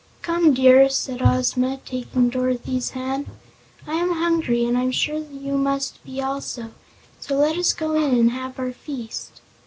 "Come, dear," said Ozma, taking Dorothy's hand, "I am hungry and I'm sure you must be also; so let us go in and have our feast."